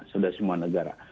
sudah semua negara